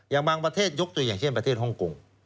อย่างบางประเทศยกตัวอย่างเช่นประเทศฮ่องกง